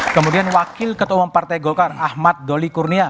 kemudian wakil ketua umum partai golkar ahmad doli kurnia